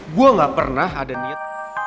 gue nggak pernah ada niat